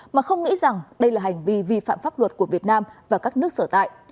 mà không nghĩ rằng đây là hành vi vi phạm pháp luật của việt nam và các nước sở tại